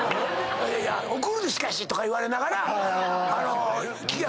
「怒るでしかし！」とか言われながら。